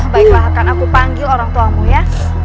baiklah akan aku panggil orang tuamu ya